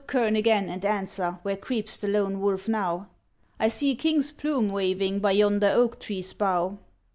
Look, kern, again, and answer, where creeps the lone wolf now? '' I see a king's plume waving by yonder oak tree's bough.'